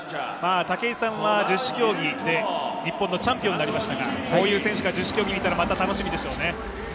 武井さんは十種競技で日本のチャンピオンになりましたがこういう選手が十種競技に出たら、また楽しみでしょうね？